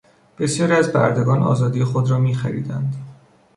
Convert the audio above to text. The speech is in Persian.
بسیاری از بردگان آزادی خود را میخریدند.